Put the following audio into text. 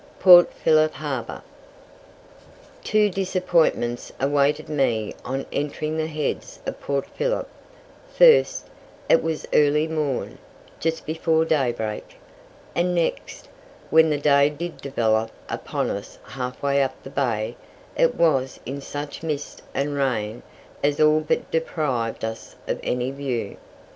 PORT PHILLIP HARBOUR. Two disappointments awaited me on entering the Heads of Port Phillip: first, it was early morn, just before daybreak, and next, when the day did develop upon us half way up the Bay, it was in such mist and rain as all but deprived us of any view.